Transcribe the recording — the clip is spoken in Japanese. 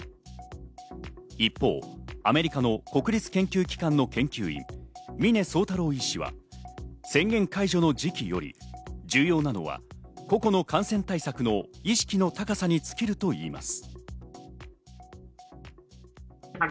一方、アメリカの国立研究機関の研究員・峰宗太郎医師は、宣言解除の時期より重要なのは個々の感染対策の意識の高さに尽きるといいます。